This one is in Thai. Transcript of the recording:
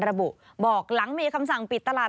ระบุบอกหลังมีคำสั่งปิดตลาด